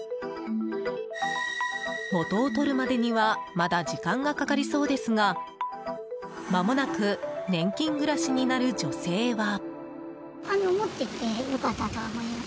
元を取るまでにはまだ時間がかかりそうですがまもなく年金暮らしになる女性は。